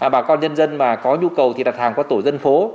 bà con nhân dân mà có nhu cầu thì đặt hàng qua tổ dân phố